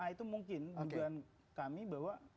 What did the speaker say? itu mungkin kemudian kami bahwa